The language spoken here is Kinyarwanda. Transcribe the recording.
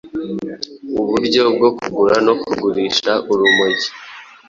uburyo bwo kugura no kugurisha urumogi,